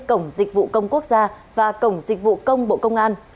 cổng dịch vụ công quốc gia và cổng dịch vụ công bộ công an